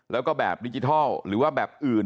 แล้วก็แบบดิจิทัลหรือว่าแบบอื่น